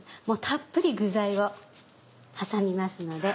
たっぷり具材を挟みますので。